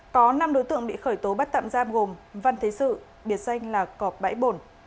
có năm đối tượng bị khởi tố bắt tạm giam gồm văn thế sự biệt danh là cọp bãi bổn